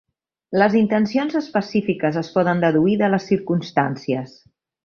Les intencions específiques es poden deduir de les circumstàncies.